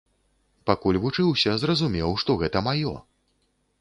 Пакуль вучыўся, зразумеў што гэта маё.